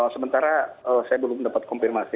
sementara saya belum dapat konfirmasi